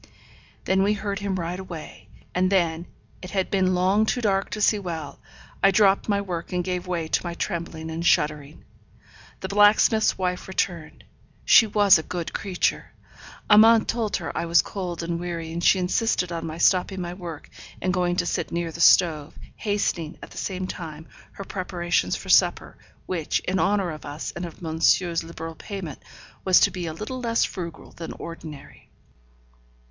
Then we heard him ride away; and then, it had been long too dark to see well, I dropped my work, and gave way to my trembling and shuddering. The blacksmith's wife returned. She was a good creature. Amante told her I was cold and weary, and she insisted on my stopping my work, and going to sit near the stove; hastening, at the same time, her preparations for supper, which, in honour of us, and of monsieur's liberal payment, was to be a little less frugal than ordinary.